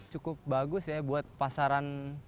cukup bagus ya buat pasaran